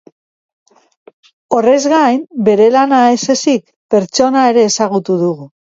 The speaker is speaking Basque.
Horrez gain, bere lana ez ezik, pertsona ere ezagutu dugu.